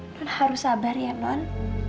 nont harus sabar ya nont